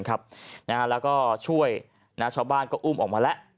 แล้วก็ช่วยชาวบ้านก็อุ้มออกมาแล้ว